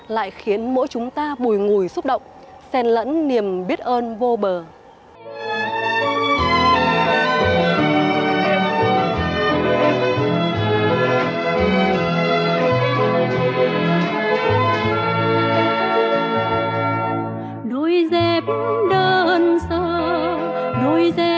lại khiến mỗi chúng ta bùi ngùi xúc động xen lẫn niềm biết ơn vô bờ